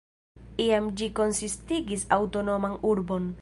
Iam ĝi konsistigis aŭtonoman urbon.